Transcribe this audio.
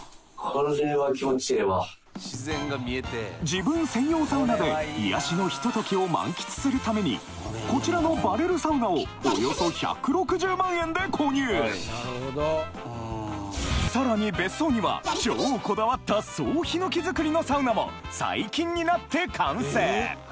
自分専用サウナで癒やしのひと時を満喫するためにこちらのバレルサウナをおよそ１６０万円で購入さらに別荘には超こだわった総檜造りのサウナも最近になって完成！